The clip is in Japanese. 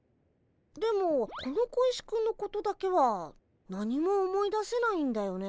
でもこの小石くんのことだけは何も思い出せないんだよね。